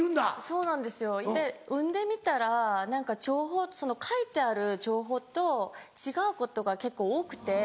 そうなんですよで産んでみたら書いてある情報と違うことが結構多くて。